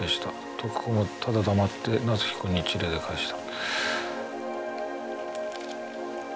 とく子もただ黙って夏彦に一礼で返した」。